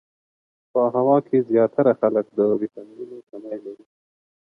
په هیواد کښی ځیاتره خلک د ويټامنونو کمې لری